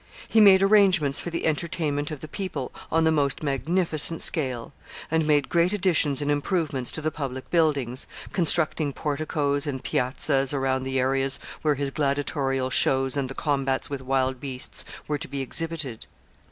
He made arrangements for the entertainment of the people on the most magnificent scale, and made great additions and improvements to the public buildings, constructing porticoes and piazzas around the areas where his gladiatorial shows and the combats with wild beasts were to be exhibited.